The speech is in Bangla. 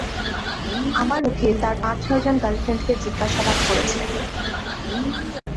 আমার উকিল তার পাঁচ-ছয়জন গার্লফ্রেন্ডকে জিজ্ঞাসাবাদ করেছে।